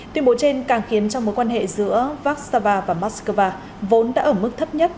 tuyên bố trên càng khiến trong mối quan hệ giữa vác sava và moscow vốn đã ở mức thấp nhất